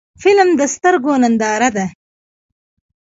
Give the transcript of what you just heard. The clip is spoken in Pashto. فلم د سترګو ننداره ده